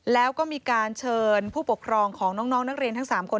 แล้วก็มีการเชิญผู้ปกครองของน้องนักเรียนทั้ง๓คน